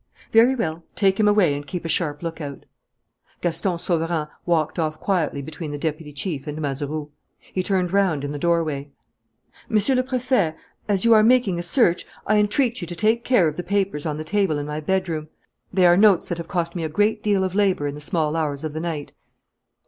"Very well. Take him away and keep a sharp lookout." Gaston Sauverand walked off quietly between the deputy chief and Mazeroux. He turned round in the doorway. "Monsieur le Préfet, as you are making a search, I entreat you to take care of the papers on the table in my bedroom. They are notes that have cost me a great deal of labour in the small hours of the night.